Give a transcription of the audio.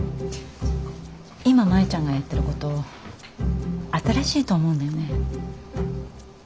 今舞ちゃんがやってること新しいと思うんだよね。